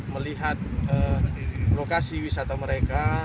melihat lokasi wisata mereka